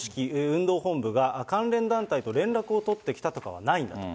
運動本部が関連団体と連絡を取ってきたとかはないと。